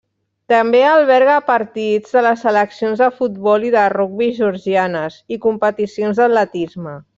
També alberga partits de les seleccions de futbol i de rugbi georgianes, i competicions d'atletisme.